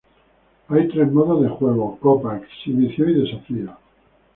Hay tres modos de juego: copas, exhibición, desafíos.